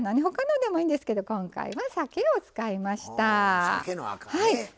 他のでもいいんですけど今回はさけを使いました。